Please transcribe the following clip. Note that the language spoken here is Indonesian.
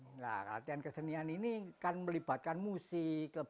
nah latihan kesenian ini kan melibatkan musik